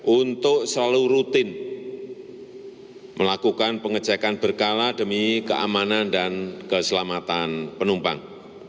untuk selalu rutin melakukan pengecekan berkala demi keamanan dan keselamatan penumpang